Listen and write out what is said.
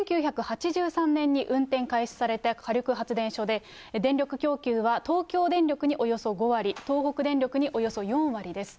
１９８３年に運転開始された火力発電所で、電力供給は東京電力におよそ５割、東北電力におよそ４割です。